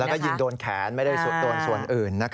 แล้วก็ยิงโดนแขนไม่ได้โดนส่วนอื่น